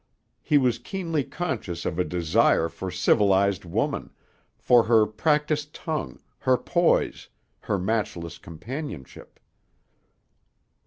He was keenly conscious of a desire for civilized woman, for her practiced tongue, her poise, her matchless companionship....